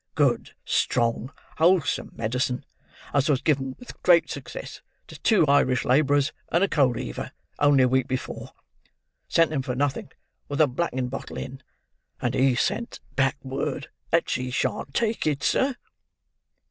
Good, strong, wholesome medicine, as was given with great success to two Irish labourers and a coal heaver, only a week before—sent 'em for nothing, with a blackin' bottle in,—and he sends back word that she shan't take it, sir!"